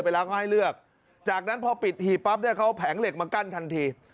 ไปแล้วเขาให้เลือกจากนั้นพอปิดหีบปั๊บเนี่ยเขาแผงเหล็กมากั้นทันที